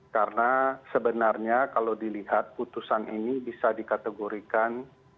karena sebenarnya kalau dilihat putusan ini bisa dikategorikan